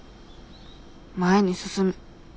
前に進む。